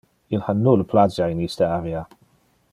Il ha nulle plagia in iste area.